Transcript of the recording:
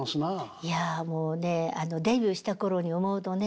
いやもうねデビューした頃に思うとね